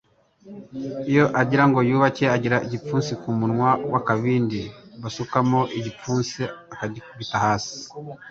iyo agirango iyubuke agera igipfunsi ku munwa w’akabindi basukamo, igipfunsi akagikubita hasi,